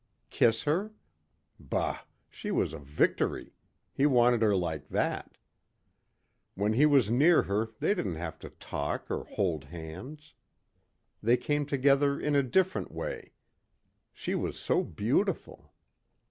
Kiss her? Bah! She was a victory. He wanted her like that. When he was near her they didn't have to talk or hold hands. They came together in a different way. She was so beautiful....